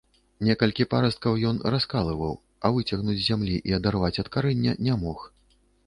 Некалькі парасткаў ён раскалываў, а выцягнуць з зямлі і адарваць ад карэння не мог.